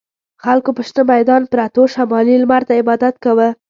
خلکو په شنه میدان پروتو شمالي لمر ته عبادت کاوه.